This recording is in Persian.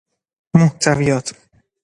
محتویات